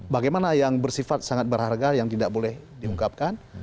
bagaimana yang bersifat sangat berharga yang tidak boleh diungkapkan